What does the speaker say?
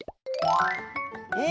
え